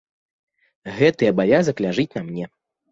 Гэты абавязак ляжыць на мне.